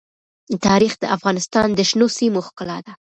تاریخ د افغانستان د شنو سیمو ښکلا ده.